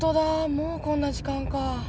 もうこんな時間か。